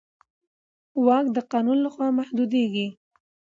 واک د قانون له خوا محدودېږي.